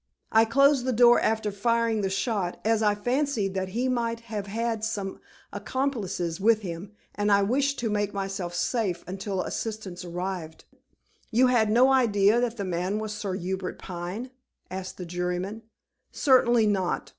I closed the door after firing the shot, as I fancied that he might have had some accomplices with him, and I wished to make myself safe until assistance arrived." "You had no idea that the man was Sir Hubert Pine?" asked a juryman. "Certainly not.